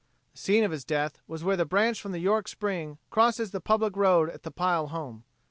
The scene of his death was where the branch from the York Spring crosses the public road at the Pile home.